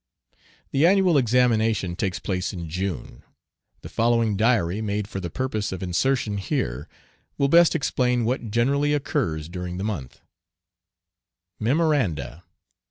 The annual examination takes place in June. The following diary, made for the purpose of insertion here, will best explain what generally occurs during the month: MEMORANDA.